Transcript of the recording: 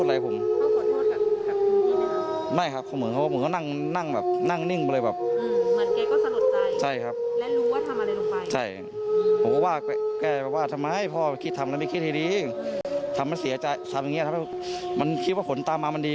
เดินไปเดินต่อ